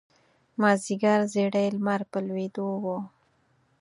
مازیګر زیړی لمر په لویېدو و.